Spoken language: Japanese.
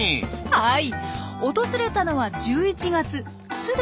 はい。